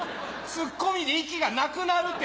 ツッコミで息がなくなるって！